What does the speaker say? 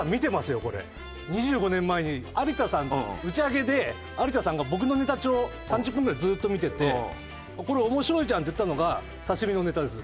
２５年前に有田さんに打ち上げで有田さんが僕のネタ帳３０分ぐらいずーっと見てて「これ面白いじゃん」って言ったのが「刺身」のネタです。